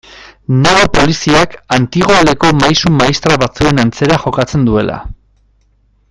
Nago poliziak antigoaleko maisu-maistra batzuen antzera jokatzen duela.